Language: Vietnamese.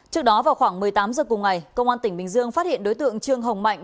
trước đó vào khoảng một mươi tám h cùng ngày công an tỉnh bình dương phát hiện đối tượng trương hồng mạnh